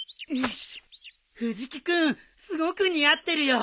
藤木君すごく似合ってるよ。